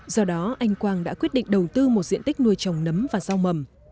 do đó anh quang đã quyết định đầu tư một diện tích nuôi trồng nấm và rau mầm